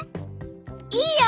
いいよ！